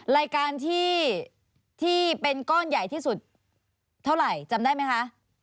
รายการที่เป็นก้อนใหญ่ที่สุดเท่าไหร่จำได้ไหมคะ